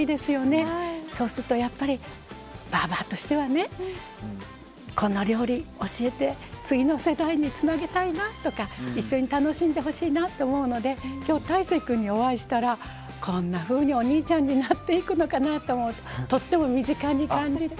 そうするとやっぱりばぁばとしてはねこの料理教えて次の世代につなげたいなとか一緒に楽しんでほしいなって思うので今日大晴君にお会いしたらこんなふうにお兄ちゃんになっていくのかなと思うととっても身近に感じています。